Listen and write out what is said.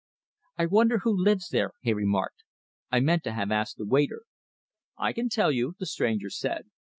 "I wonder who lives there," he remarked. "I meant to have asked the waiter." "I can tell you," the stranger said.